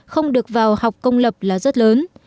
không được vào học công lập là rất lớn